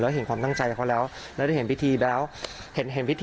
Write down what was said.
แล้วเห็นความตั้งใจเขาแล้วแล้วได้เห็นพิธีแล้ว